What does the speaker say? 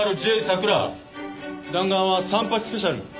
弾丸は．３８スペシャル。